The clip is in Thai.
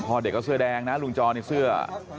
เด็กก็เสื้อแดงนะลุงจอนี่เสื้อ